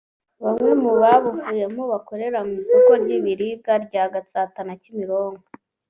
Bamwe mu babuvuyemo bakorera mu isoko ry’ibiribwa rya Gatsata na Kimironko